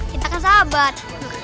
kita akan sabar